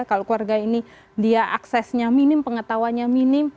kalau keluarga ini dia aksesnya minim pengetahuannya minim